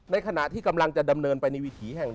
ในขณะที่กำลังจะดำเนินไปในวิถีแห่ง